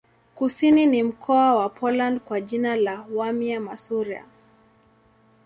Kusini ni mkoa wa Poland kwa jina la Warmia-Masuria.